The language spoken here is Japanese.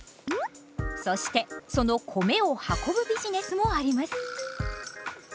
そしてその米を運ぶビジネスもあります。